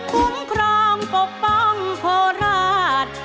ทุกครองปกป้องโพราช